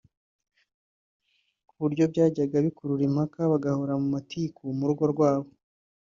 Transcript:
kuburyo byajyaga bikurura impaka bagahora mu matiku mu rugo rwabo